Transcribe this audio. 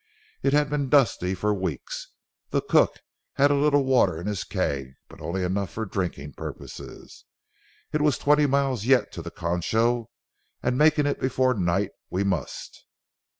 It had been dusty for weeks. The cook had a little water in his keg, but only enough for drinking purposes. It was twenty miles yet to the Concho, and make it before night we must.